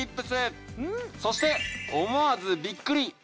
そして思わずビックリ